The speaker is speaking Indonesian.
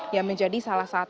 yang menjadi salah satu